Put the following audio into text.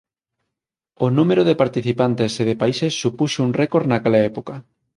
O número de participantes e de países supuxo un récord naquela época.